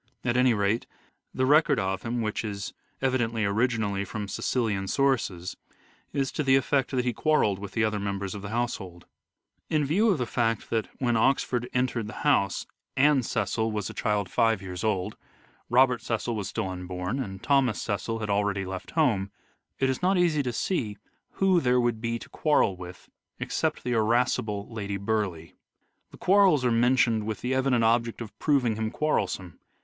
At any rate, the record of him, which is evidently originally from Cecilian sources, is to the effect that he quarrelled with the other members of the household. In view of the fact that when Oxford entered the house Anne Cecil was EARLY LIFE OF EDWARD DE VERE 245 a child five years old, Robert Cecil was still unborn and Thomas Cecil had already left home, it is not easy to see who there would be to quarrel with except the irascible Lady Burleigh . The quarrels are mentioned with the evident object of proving him quarrelsome.